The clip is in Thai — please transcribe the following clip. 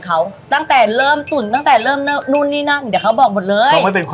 ก็ให้เชื่อรอติดตามชั่วต่อไปค่ะ